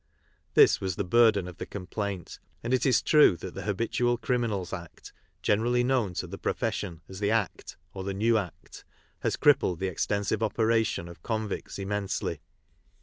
This was the burden of the complaint, and it is true that the Habitual Criminals Act, generally known to the "profession" as the " Act," or the " New Act," has crippled the extensive operations of convicts im mensely.